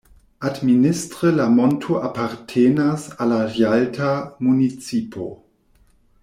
Administre la monto apartenas al la Jalta municipo.